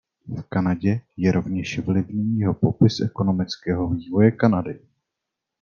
V Kanadě je rovněž vlivný jeho popis ekonomického vývoje Kanady.